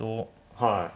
はい。